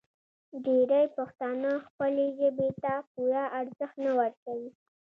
ډېری پښتانه خپلې ژبې ته پوره ارزښت نه ورکوي.